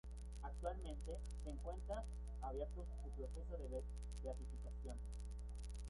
Actualmente se encuentra abierto su proceso de beatificación.